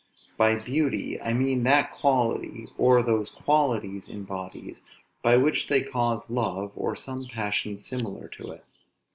By beauty, I mean that quality, or those qualities in bodies, by which they cause love, or some passion similar to it.